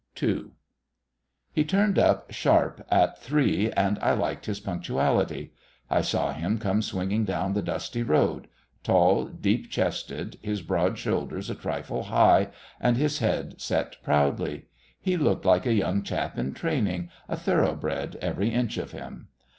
2 He turned up sharp at three, and I liked his punctuality. I saw him come swinging down the dusty road; tall, deep chested, his broad shoulders a trifle high, and his head set proudly. He looked like a young chap in training, a thoroughbred, every inch of him.